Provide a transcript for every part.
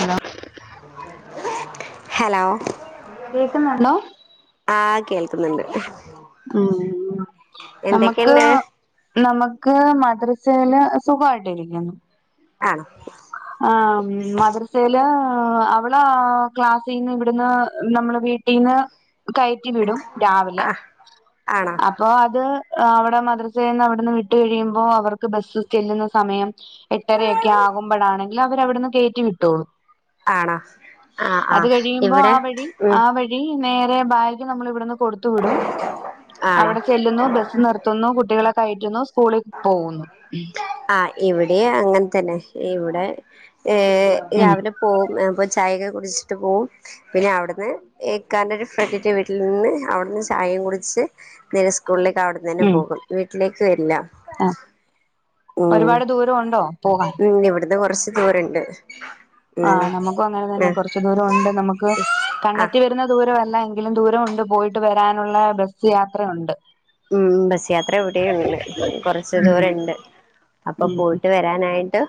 Hello hello കേൾക്കുന്നുണ്ടോ ആഹ് കേൾക്കുന്നുണ്ട് ഉം ഉ നമ്മുക്ക് എന്തൊക്കെയുണ്ട് നമുക്ക് മദ്രസയില് സുഖമായിട്ടിരിക്കുന്നു ആണോ ആ മദ്രസയില്അവള ക്ലസ്സീന്ന് ഇവിടുന്ന് നമ്മള് വീട്ടിൽ ട്ടിന്ന്കയറ്റി വിടും രാവിലെ ആ ആണോ ആ അപ്പോഅത്അവളുടെ മദ്രസയിൽ നിന്ന് അവിടെന്ന് വിട്ട് കഴിയുമ്പോ അവർക്ക് ബസ്സ് ചെല്ലുന്ന സമയം എട്ടരയൊക്കെ ആകുമ്പോഴാണെങ്കിൽ അവര് അവിടുന്ന് കയറ്റി വിട്ടോളൂ ആണോ ആഹ ആ ഇവിടെ ഉം ഇനി നേരെ ബാഗ് നമ്മൾ ഇവിടുന്ന് കൊടുത്തു വിടും ആണോ അവടെ ചെല്ലുന്നു ബസ്സ് നിർത്തുന്നു കുട്ടികളെ കയറ്റുന്നു സ്കൂളിൽ പോകുന്നു ആ ഇവിടെ അങ്ങനെ തന്നെ ഇവിടെ ഏ ഉം രാവിലെ പോവും അപ്പ ചായകെ കുടിച്ചിട്ട് പോവും പിന്നെ അവിടുന്ന് ഇക്കാന്റെ ഒരു ഫ്രണ്ടിന്റെ വീട്ടിൽ നിന്ന് അവിടുന്ന് ചായയും കുടിച്ച് നേരെ സ്കൂളിലേക്ക് അവിടുന്ന തന്നെ ഉം പോകും വീട്ടിലേക്ക് വരില്ല ആ ഉം ഒരുപാട് ദൂരം ഉണ്ടോ പോകാൻ മ് ഇവിടുന്ന് കൊറച്ച് ദൂരണ്ട് ആ ഉം നമുക്ക് അങ്ങനെ തന്നെ കൊറച്ചു ദൂരം ഉണ്ട് നമുക്ക് ആ ആ കണ്ണെത്തി വരുന്ന ദൂരമല്ല എങ്കിലും ദൂരമുണ്ട് പോയിട്ട് വരാനുള്ള ബസ്സ് യാത്രയുണ്ട് മം ബസ് യാത്ര ഇവിടെയിണ്ട് കൊറച്ച് ഉം ദൂരം ഉണ്ട് അപ്പൊ ഉം പോയിട്ട് വരാനായിട്ട്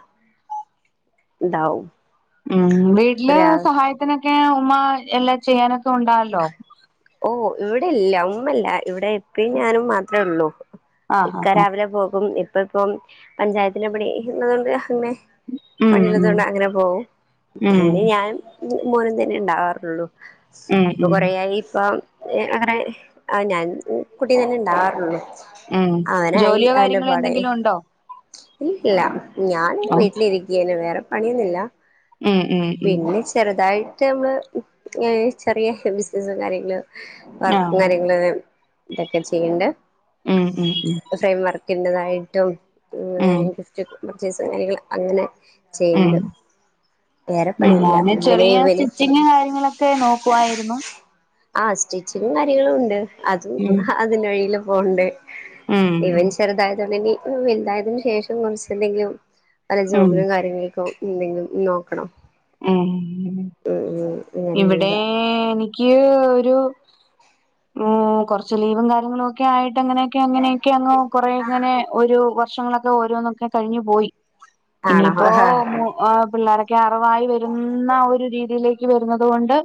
ഇണ്ടാവും മം വീട്ടില് സഹായത്തിനൊക്കെ ഉമ്മ എല്ലാം ചെയ്യാനൊക്കെ ഉണ്ടാവല്ലോ ഓ ഇവിടെല്ല ഉമ്മ ഇല്ല ഇവിടെ ഉപ്പി ഞാനും മാത്ര ഉള്ളൂ ആഹ് ഇക്ക ആഹ് രാവിലെ പോകും ഇപ്പ ഇപ്പം പഞ്ചായത്തിലെ പണി നിന്നതുകൊണ്ട് പിന്നെ ഉം ഉം പണിയുള്ളതുകൊണ്ട് അങ്ങനെ പോകും ഉം പിന്നെ ഞാൻ മോനുംതന്നെ ഉണ്ടാവാറുള്ളു ഉം ഇപ്പൊ ഉം കൊറേയായി അപ്പോ അങ്ങെനെ ആ ഞാൻ കുട്ടി തന്നെഇണ്ടാവാറുള്ളൂ ഉം അവനായി ജോലിയോ അവന്റെ കാര്യങ്ങളോ പാടായി എന്തെങ്കിലും ഉണ്ടോ ഇല്ല ഞാൻ ഉം വീട്ടിലിരിക്കയന്നെ വേറെ പണിയൊന്നില്ലാ ഉം ഉം പിന്നെ ചെറുതായിട്ടൊന്ന് ഇങ്ങനെ ചെറിയ ബിസിനസും കാര്യങ്ങളും വർക്കും ആഹ് കാര്യങ്ങളൊക്കെ ഇതൊക്കെ ചെയ്യണ്ട് ഉം ഉം ഫ്രെയിം വർക്ക് ഇന്റെതായിട്ടും ഉം പിന്നെ ഉം ഗിഫ്റ്റും പർച്ചേസ് കാര്യങ്ങള് അങ്ങനെ ഉം ചെയ്യണ്ട് വേറെ ഉം പണിയില്ല ഞാന് ഇന്നലെ ചെറിയ ഇവന് സ്റ്റിച്ചിങ്ങ് കാര്യങ്ങളൊ ക്കെ നോക്കുവായിരുന്നു ആ സ്റ്റിച്ചിങ്ങും കാര്യങ്ങളൂണ്ട് അത് ഉം അതിന്റെടിയിൽ പോവണ്ട് ഉം ഇവൻ ചെറുതായതൊണ്ടിനി വലുതായതിനുശേഷം കുറച്ചെന്തെങ്കിലും പല ഉം ജോബുകളും കാര്യങ്ങൾക്കും എന്തെങ്കിലും നോക്കണം ഉം ഉം ഉം അങ്ങനെയുള്ളത് ഇവിടെയെനി ക്ക് ഒരു ഉം കൊറച്ച് ലീവും കാര്യങ്ങളു ക്കെ ആയിട്ട് അങ്ങനെയൊക്കെ അങ്ങനെയൊക്കെ അങ്ങ് കൊറേ ഇങ്ങനെ ഒരു വർഷങ്ങളൊക്കെ ഓരോന്നൊക്കെ കഴിഞ്ഞു പോയി ആണോ ഇനിയിപ്പോ ആഹ് പിള്ളേരൊക്കെ അറിവായി വരുന്ന ഒരു രീതിയിലേ ക്ക് വരുന്നതുകൊണ്ട്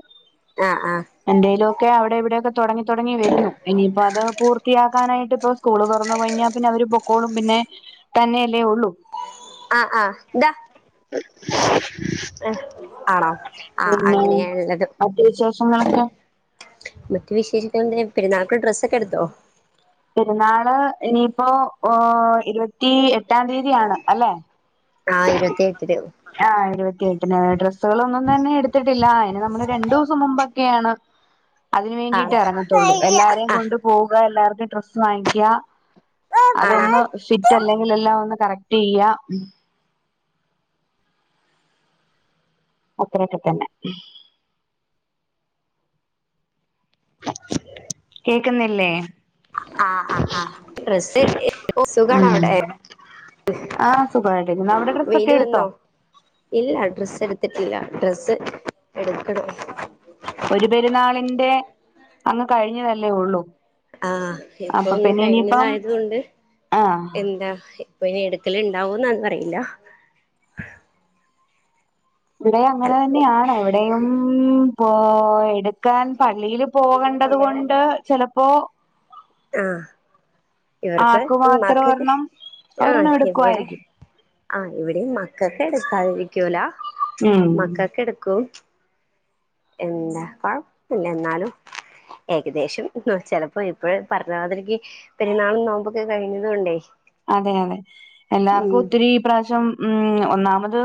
ആ ആ എന്തെയിലൊക്കെ അവിടെ ഇവിടെയൊക്കെ തൊടങ്ങി തൊടങ്ങി വരുന്നു ഇനിയിപ്പോ അത് പൂർത്തിയാക്കാനായിട്ട് ഇപ്പോ സ്കൂള് തൊറന്നുകഴിഞ്ഞാ പിന്നെ അവരു പൊക്കോളും പിന്നെ തന്നെയല്ലേ ഒള്ളൂ ആ ആ എന്താ [inaudible] ഏ ആണോ ആ പിന്നെ അങ്ങനെയാള്ളത് മറ്റു വിശേഷങ്ങളൊക്കെ മറ്റു വിശേഷങ്ങളൊക്കെ പെരുന്നാക്ക് ഡ്രസ്സൊക്കെ എടുത്തോ പെരുന്നാള് ഇനിയിപ്പോ ഓ ഇരുപത്തി എട്ടാംതീയതിയാണ് അല്ലെ ആ ഇരുപത്തിയെട്ടിന് ആ ഇരുപത്തിയെട്ടിന് ഡ്രസ്സുകളൊന്നും തന്നെ എടുത്തിട്ടില്ല അതിന് നമ്മള് രണ്ടുദിവസം മുമ്പൊക്കെയാണ് ആ അതിനുവേണ്ടിട്ട് എറങ്ങത്തൊള്ളൂ എല്ലാരേയും കൊണ്ട് പോവുക എല്ലാർക്കും ഡ്രസ്സ് വാങ്ങിക്കുക ആ ആണോ അതൊന്ന് ഷി റ്റഅല്ലെങ്കിൽ എല്ലാം ഒന്ന് കറക്റ്റ് ചെയ്യാ അത്രയൊക്കെ തന്നെ കേക്കുന്നില്ലേ ആ ആ ആ ഡ്രസ്സ് സുഖാണോ അവിടെ ആ സുഖായിട്ടിരിക്കുന്നു അവിടെ ഡ്രസ്സൊക്കെ വെയില് എടുത്തോ വന്നോ ഇല്ല ഡ്രസ്സ് എടുത്തിട്ടില്ല ഡ്രസ്സ് എടുക്കണം ഒരു പെരുന്നാളിന്റെ അങ്ങു കഴിഞ്ഞതല്ലേയൊള്ളു ആ ഇപ്പൊ ഒന്ന് കഴിഞ്ഞതായതുകൊണ്ട് ആഹ് എന്താ ഇപ്പം ഇനി എടുക്കലൊണ്ടാവോന്ന് അന്ന് അറിയില്ല ഇവിടെ അങ്ങനെ തന്നെയാണൊ ഇവിടേയും പോ എടു ക്കാൻ പള്ളിയിൽ പോകണ്ടതുകൊണ്ട് ചെലപ്പോ ആ ഇവർക്ക് ആക്കുമാത്രം മക്കക്ക് ഒരെണ്ണം ആ ഒരെണ്ണം ഇവിടെ എടുക്കുവായിരിക്കും ആ ഇവിടെയും മക്കക്ക് എടുക്കാതിരിക്കൂലാ ഉം മക്കക്ക് എടുക്കും എന്താ കൊഴപ്പില്ല എന്നാലും ഏകദേശം ചെലപ്പം ഇപ്പഴേ പറഞ്ഞമാതിരിക്ക് പെരുന്നാളും നോമ്പൊക്കെ കഴിഞ്ഞതുകൊണ്ടെ അതെ അതെ എല്ലാർക്കും ഒത്തിരി ഇപ്രാവശ്യം ഉം ഒന്നാമത്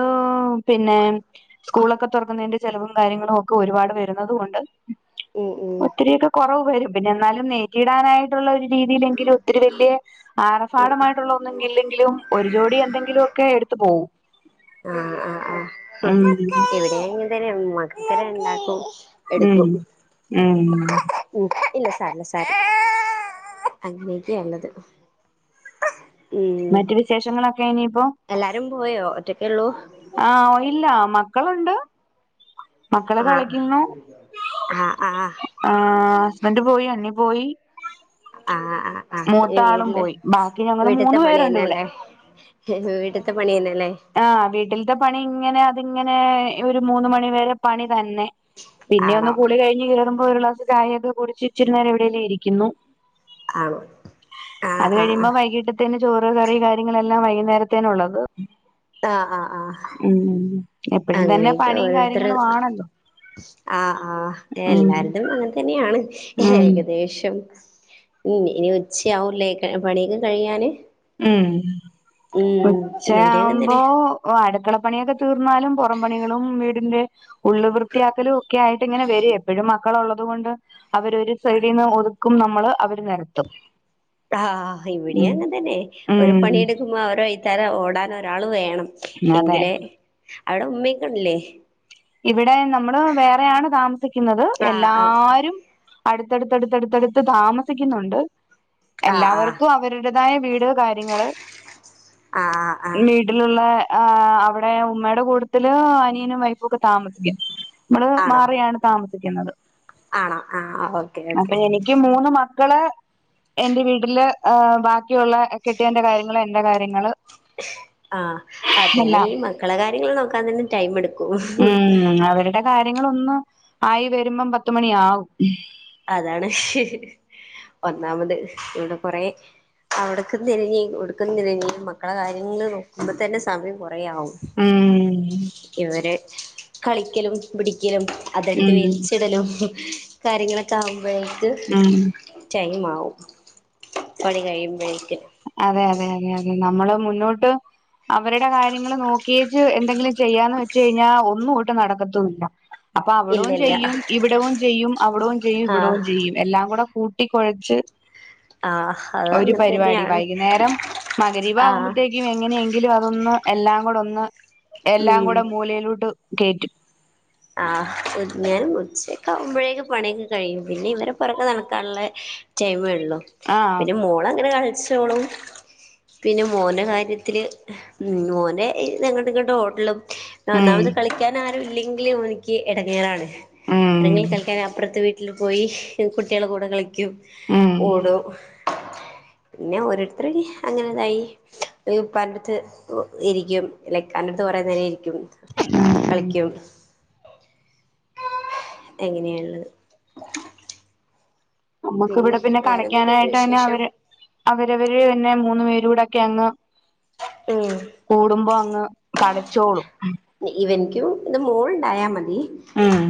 പിന്നെ സ്കൂളൊക്കെ തൊറക്കുന്നതിന്റെ ചെലവും കാര്യങ്ങളൊക്കെ ഒരുപാട് വരുന്നതുകൊണ്ട് ഉം ഉം ഒത്തിരിയൊക്കെ കൊറവുവരും പിന്നെ എന്നാലും നെറ്റിയിടാനായിട്ടുള്ള ഒരു രീതിയിലെങ്കിലും ഒത്തിരി വലൃ ആർ ഭാടമായിട്ടുള്ള ഒന്നുമില്ലെങ്കിലും ഒരു ജോടി എന്തെങ്കിലുമൊക്കെ എടുത്തുപോകും ആഹ് ആഹ് ആഹ് ഉം [unintelligible] രണ്ടാക്കും ഉം എടുക്കും ഉം ഉം ഇല്ല സാരല്ല സാർ അങ്ങനെയൊക്കെയ ഉള്ളത് ഉം മറ്റു വിശേഷങ്ങളൊക്കെ ഇനിയിപ്പോ എല്ലാരും പോയോ ഒറ്റക്കെള്ളൂ ആഹ് ഇല്ല മക്കളുണ്ട് മക്കള് ആഹ് കളിക്കുന്നു ആഹ് ആഹ് ആഹ് ഹുസ്ബൻഡ് പോയി അണ്ണി പോയി ആഹ് ആഹ് ആഹ് മൂത്ത ഇനി ആളും വീട്ടില് പോയി ബാക്കി ഞങ്ങള് വീട്ടത്തെ മൂന്ന് പണി പേരുണ്ട് ഇവിടെ തന്നെല്ലേ വീട്ടത്തെ പണി തന്നെല്ലേ ആഹ് വീട്ടിലത്തെ പണി ഇങ്ങനെ അതിങ്ങനെ ഒരു മൂന്ന് മണിവരെ പണി തന്നെ പിന്നെ ഒന്ന് ആണോ കൂളികഴിഞ്ഞ് കയറുമ്പോ ഒരു ഗ്ലാസ് ചായൊക്കെ കുടിച്ച് ഇച്ചിരു നേരം എവിടെലേ ഇരിക്കുന്നു ആണോ ആഹ് അത് ആഹ് കഴിയുമ്പോ വൈകിട്ട് ചോറ് കറി കാര്യങ്ങളെല്ലാം വൈകുന്നേരത്തേന്ന ഉള്ളത് ആഹ് ആഹ് ആഹ് ഉം എപ്പഴും തന്നെ അങ്ങനെയൊക്കെ പണിയും ഓരോരുത്തര് കാര്യങ്ങളും ആണല്ലോ ആഹ് ആഹ് ഉം എല്ലായിടത്തും അങ്ങനെ തന്നെയാണ് ഉം ഏകദേശം ഉം ഇനി ഉച്ചയാവല്ലേ പണിയക്കെ കഴിയാന് ഉം ഉം ഇവിടെ അങ്ങനെ ഉച്ചയാവുമ്പോ തന്നെ ഓ അടുക്കളപ്പണിയൊക്കെ തീർന്നാലും പുറം പണികളും വീടിന്റെ ഉള്ള് വൃത്തിയാക്കലും ഒക്കെ ആയിട്ട് ഇങ്ങനെ വരെ എപ്പോഴും മക്കള് ഉള്ളത് കൊണ്ട് അവര് ഒരു സൈഡിൽന്ന് ഒതുക്കും നമ്മള് അവര് നിരത്തും ആഹ് ഇവിടെ ഉം അങ്ങനെ തന്നെ ഒരു ഉം പണിയെടുക്കുമ്പോ അവരോ [unintelligible] ഓടാൻ ഒരാൾ വേണം അതെ എങ്കിലെ അവിടെ ഉമ്മക്കണല്ലേ ഇവിടെ നമ്മള് വേറെയാണ് താമസിക്കുന്നത് ആഹ് എല്ലാരും അടുത്തടുത്തടുത്തടുത്തടുത്ത് താമസിക്കുന്നൊണ്ട്. ആഹ് ആഹ് എല്ലാവർക്കും അവരുടേതായ വീട്. കാര്യങ്ങള്. ആഹ് ആഹ് ആഹ് [unintelligible] വീട്ടിലൊള്ള ആഹ് അവെടെ ഉമ്മേടെ കൂട്ടത്തില് അനിയനും വൈഫും ഒക്കെ താമസിക്കണ്‌. നമ്മള് മാറിയാണ് താമസിക്കുന്നത്. ആഹ്‌ ആഹ്‌ ഓക്കേ അപ്പൊ ഓക്കെ. എനിക്ക് മൂന്ന് മ മക്കള്, എന്റെ വീട്ടില് ബാക്കിയൊള്ള കെട്ടിയവെന്റെ കാര്യങ്ങള് എന്റെ കാര്യങ്ങള്. ആഹ്, എല്ലാം. അതെല്ലേയി മക്കളെ കാര്യങ്ങള് നോക്കാൻ തന്നെ ടൈമെടുക്കും. ഉം അവരുടെ കാര്യങ്ങളൊന്ന് ആയി വെരുമ്പം പത്തുമണിയാകും. അതാണ് ഷെ. ഒന്നാമത് ഇവെടെ കൊറെ. അവിടക്കനിലഞ്ഞ് ഇവിടുക്കുനിലഞ്ഞ് മക്കടെ കാര്യങ്ങള് നോ പ്പത്തന്നെ സമയം കൊറെയാവും. ഉം ഇവരെ. കളിക്കലും പിടിക്കലും. അതെടുത്ത് ഉം വേയ്ച്ചിടലും. കാര്യങ്ങളൊക്കെയാകുമ്പഴേ യിത് ഉം ടൈമാകും പണി കഴിയുമ്പഴേക്ക്. അതെ അതെ അതെ അതെ. നമ്മള് മുന്നോട്ട്. അവരെടെ കാര്യങ്ങള് നോക്കിയേച്ച് എന്തെങ്കിലും ചെയ്യാന്ന് വെച്ച് കഴിഞ്ഞാ ഒന്നു ഒട്ടും നടക്കത്തുമില്ല. അപ്പൊ ഇല്ല അവടോം ഇല്ല ചെയ്യും. ഇവടോം ചെയ്യും. അവടോം ചെയ്യും. ഇവടോം ആഹ് ചെയ്യും. എല്ലാക്കൂടെ കൂട്ടിക്കൊഴച്ച്. ആഹ് ഒരു അതങ്ങനെ തന്നെയാ. പരിപാടി വൈകുന്നേരം മഗരീവ് ആകുമ്പോത്തേക്ക് എങ്ങനെയെങ്കിലും അതൊന്ന് എല്ലാക്കൂടൊന്ന് ഉം എല്ലാക്കൂടെ മൂലയിലോട്ട് കേറ്റും. ആഹ് [unintelligible] ഉച്ചക്കെയാകുമ്പോഴേക്ക് പണിയെക്കെ കഴിയും. പിന്നെ ഇവരെ പൊറകെ നടക്കാനൊള്ളേ. ടൈമേയുള്ളൂ. ആഹ് പിന്നെ മോളങ്ങനെ കളിച്ചോളും. പിന്നെ മോന്റെ കാര്യത്തില്. മോന് ഇ അങ്ങോട്ടുമിങ്ങോട്ടും ഓട്ടലും. ഉം ഒന്നാമത് കളിക്കാൻ ആരുയില്ലെങ്കിലും ഇവെനിക്ക് ഇടങ്ങേറാണ്. ഉം ആരെങ്കിലും കളിക്കാൻ അപ്പറത്ത് വീട്ടി ല് പോയി കുട്ടികളെക്കൂടെ കളിക്കും. ഉം ഓടും. [inaudible] പിന്നെ ഓരോരിത്തരി അങ്ങനെന്നെയായി. പോയി പലയിടത്ത് ഒ ഇരിക്കും. ഇല്ലെ കണ്ടെടുത്ത് കൊറെ നേരം ഇരിക്കും. കളിക്കും എങ്ങനെയൊള്ളു. നമ്മുക്ക് ഇവെടെ പിന്നെ വേറെന്തൊക്കെയുണ്ട് കളക്കാനായ്ട്ട്ന്നെ വിശേഷം അവെര്. അവെരവര്ന്നെ മൂന്ന് പേരുടെക്കെ അങ്ങ്. ഉം കൂടുമ്പോ അങ്ങ് കളിച്ചോളും. ഇവെനിക്കും ഇത് മോളുണ്ടായ മതി. ഉം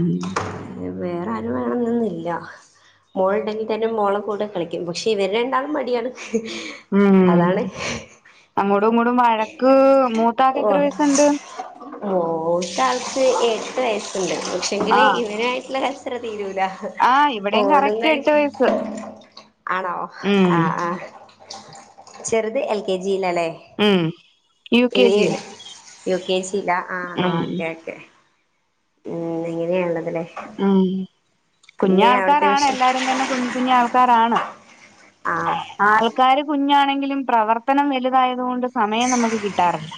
വേറെ ആരും വേണന്നൊന്നില്ല. മോളുണ്ടെങ്കിൽ തന്നെ മോളക്കൂടെ കളിക്കും. പക്ഷെ ഇവെര് രണ്ടാളും അടിയാണ്. ഉം അങ്ങോട്ടുമിങ്ങോട്ടും വഴക്ക്. മൂത്താക്ക് എത്ര വയസൊണ്ട്? മൂത്താൾക്ക് എട്ട് വയസ്സൊണ്ട്. പക്ഷേ ങ്കില് ആഹ് ഇവനായിട്ടുള്ള കച്ചറ തീരൂല. ആഹ് ഇവിടെയും പോലും കറക്റ്റ് എട്ട് കഴിഞ്ഞ് വയസ്സ് ആണോ ഉം ആഹ് ആഹ്. ചെറുത് എൽ കെ ജി ലല്ലേ? ഉം യു കെ ഇവയെ ജിയില് യു കെ ജി ലാ. ആഹ് ഉം ഓക്കെ ഓക്കെ. ഉം ഇതിങ്ങനെയായൊള്ളതല്ലേ. ഉം അവിടുത്തെ കുഞ്ഞാൾക്കാരാണ് വിഷ എല്ലാരും തന്നെ. കുഞ്ഞക്കുഞ്ഞാൾക്കാരാണ്. ആഹ് ആയിപ്പോ ആക്കാര് കുഞ്ഞാണെങ്കിലും പ്രവർത്തനം വെലുതായത് കൊണ്ട് സമയം നമ്മെക്ക് കിട്ടാറില്ല.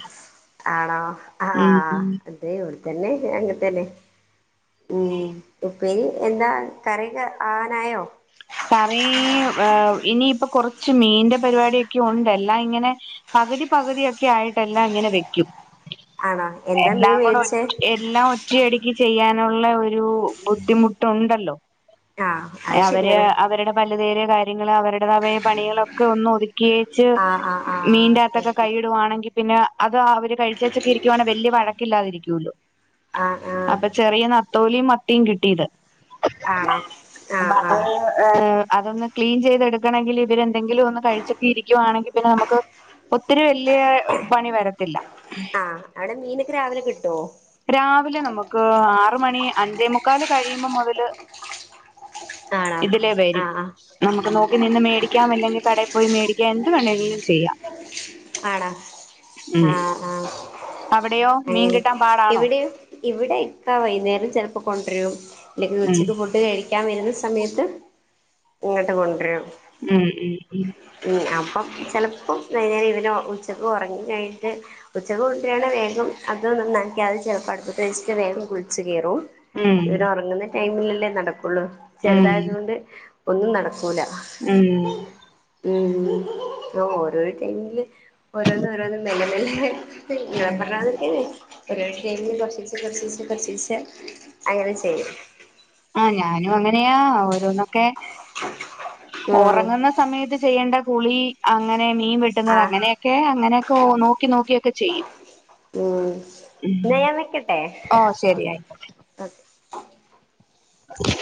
ആണോ. ആഹ് ഉം ആഹ് അതെ ഇവടെത്തന്നെ അങ്ങത്തന്നെ. ഉം ഉപ്പേരി എന്താ കറിക്കെ ആവാനായോ? കറേ ഇനിയിപ്പൊ കൊറച്ച് മീന്റെ പരിപാടിയൊക്കെ ഉണ്ട് എല്ലാം ഇങ്ങനെ പകുതി പകുതിൊക്കെ ആയിട്ടെല്ലാം ഇങ്ങനെ വെക്കും ആണോ എന്താ മീൻ എല്ലാം കൂടെ ഒ മേടിച്ചേ എല്ലാം കുറ്റിയടുക്കി ചെയ്യാനുള്ള ഒരു ബുദ്ധിമുട്ടുണ്ടല്ലോ ആഹ അത് അവര് ശരിയാണ് അവരുടെ പലതര കാര്യങ്ങള് അവരുടതായ പണികളൊക്കെ ഒന്ന ഒതു കേച്ച് ആഹ് ആഹ് ആഹ് ഓക്കെ മീന്റാത്തെക്കെ ഓക്കെ കൈയിടുവാണെങ്കി. പിന്നെ അത് അവര് കഴിച്ച വെച്ചൊക്കെ ഇരിക്കുകുവാണെങ്ക വലിയ വഴക്കില്ലാതിരിക്കല്ലോ ആഹ ആഹ അപ്പൊ ചെറിയ നത്തോലിയും മത്തിയും കിട്ടിയത് ആണോ ആഹ് ആഹ് [unintelligible] ഏഹ അതൊന്ന് ക്ലീൻ ചെയ്തെടുക്കണമെങ്കിൽ ഇവരെ എന്തെങ്കിലും ഒന്ന് കഴിച്ചൊക്കെ ഇരിക്കുവാണെങ്കിൽ പിന്നെ നമുക്ക് ഒത്തിരി വലിയ പണി വരത്തില്ല ആഹ് അവിടെ മീനൊക്കെ രാവിലെ കിട്ടുമോ രാവിലെ നമുക്ക് ആറ മണി അഞ്ചേ മുുക്കാല് കഴിയുമ്പോ മുതല് ആണോ ഇതിലേ വരും ആഹ് ആഹ് നമുക്ക് നോക്കി നിന്ന് മേടിക്കാം അല്ലെങ്കിൽ കടയിൽ പോയി മേടിക്കാം എന്ത് വേണമെങ്കിലും ചെയ്യാം ആണ ഉം അവിടെയോ മീൻ അങ്ങനെ കിട്ടാ ഇവിടെ ഇവിടെയക്ക വൈകുന്നേരം ചിലപ്പോൾ കൊണ്ടുവരും ഇല്ലെങ്കിൽ ഉം ഉച്ചയ്ക്ക് ഫുഡ് കഴിക്കും കയിക്കാൻ വരുന്ന സമയത്ത് ഇങ്ങോട്ട് കൊണ്ടുവരും ഉം ഉം ഉം അപ്പം ചിലപ്പം വരം ഇവന് ഉച്ചക്ക് ഉറങ്ങിനായിട്ട് ഉച്ചക കൂട്ടാണ് വേഗം അതന്നന്ന രാവിലെ ചെലപ്പോ അടുപത്തേക്ക് വേഗം കുളിച്ച് കയറും, ഉം ഇവർ ഉറങ്ങുന്ന ടൈമിലല്ലേ നടക്കുള്ളൂ ഉം ചെറുതായതുകൊണ്ട് ഒന്നും നടക്കൂല ഉം ഉം, പൊ ഓരോരോ ടൈമില് ഓരോന്നും ഓരോന്നും മെല്ലേ മെല്ലെ [unintelligible] ചെലെ ടൈമിൽ കൊറച്ചീച്ചേ കൊറച്ചീച്ചെ, കൊറച്ചിച്ചേ അങ്ങനെ ചെയ്യും ആഹ് ഞാനും അങ്ങനെയാ [unintelligible] ന്നൊക്കെ ഉം ഉറങ്ങുന്ന സമയത്ത് ചെയ്യേണ്ട കുളി അങ്ങനെ മീൻ വെടുടുന്നത് ആഹ് അങ്ങനെയൊക്കെ അങ്ങനെയൊക്കെ നോക്കി നോക്കിയൊക്കെ ചെയ്യും. ഉം ന്ന ഞാൻ വെക്കട്ടെ ഓഹ് ശെരി ആയിക്കോട്ടെ ഓക്കെ ആ